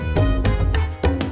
lay untuk menentukan rabu